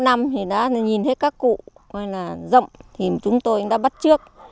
bốn lớp năm đã nhìn thấy các cụ dậm và chúng tôi đã bắt trước